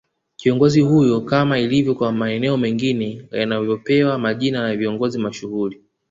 Kiongozi huyo kama ilivyo kwa maeneo mengine yanavyopewa majina ya viongozi mashuhuli